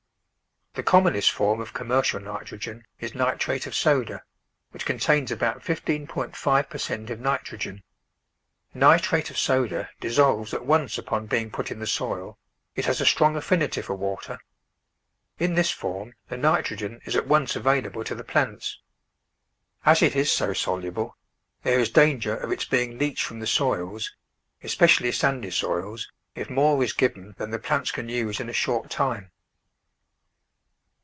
The commonest form of commercial nitrogen is nitrate of soda, which contains about 15.5 per cent of nitrogen. Nitrate of soda dissolves at once upon being put in the soil; it has a strong affinity for water. In this form the nitrogen is at once available to the plants. As it is so soluble, there is danger of its being leached from the soils, especially sandy soils, if more is given than the plants can use in a short time.